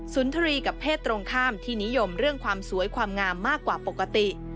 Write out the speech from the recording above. นทรีย์กับเพศตรงข้ามที่นิยมเรื่องความสวยความงามมากกว่าปกติ